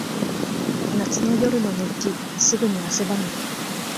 夏の夜の熱気。すぐに汗ばむ。